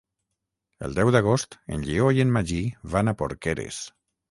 El deu d'agost en Lleó i en Magí van a Porqueres.